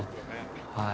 はい。